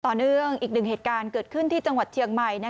อีกหนึ่งเหตุการณ์เกิดขึ้นที่จังหวัดเชียงใหม่